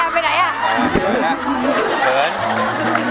ไปไหนละ